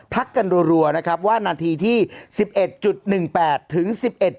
ทักกันรัวนะครับว่านาทีที่๑๑๑๘ถึง๑๑๒๐